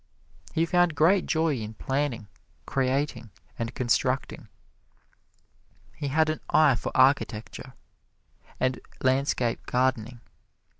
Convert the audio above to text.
He found great joy in planning, creating and constructing. He had an eye for architecture and landscape gardening.